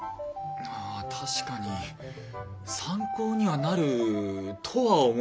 ああ確かに参考にはなるとは思いますが。